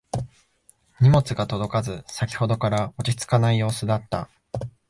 荷物が届かず先ほどから落ち着かない様子だった